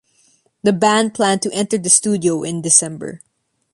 The band planned to enter the studio in December.